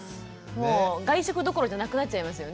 もう外食どころじゃなくなっちゃいますよね。